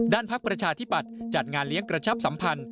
พักประชาธิปัตย์จัดงานเลี้ยงกระชับสัมพันธ์